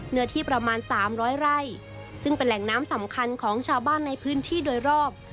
เนื้อที่ประมาณ๓๐๐ไร่ซึ่งเป็นแหล่งน้ำสำคัญของชาวบ้านในพื้นที่โดยรอบ